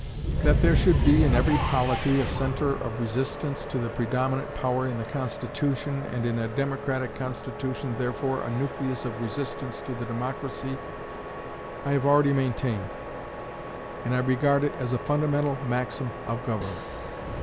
That there should be, in every polity, a centre of resistance to the predominant power in the Constitution and in a democratic constitution, therefore, a nucleus of resistance to the democracy I have already maintained; and I regard it as a fundamental maxim of government.